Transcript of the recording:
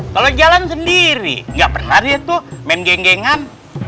kalau jalan sendiri nggak pernah dia tuh main genggengan